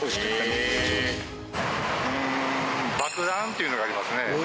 ていうのがありますね。